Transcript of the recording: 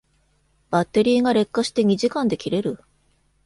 バッテリーが劣化して二時間で切れる